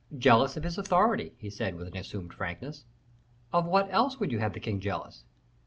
"Jealous of his authority," he said, with an assumed frankness; "of what else would you have the king jealous?"